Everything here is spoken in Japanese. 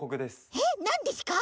えっなんですか？